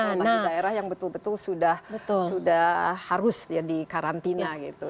kalau di daerah yang betul betul sudah harus di karantina gitu